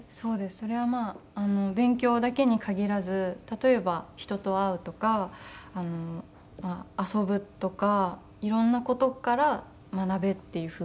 それはまあ勉強だけに限らず例えば人と会うとか遊ぶとか色んな事から学べっていうふうに教わって。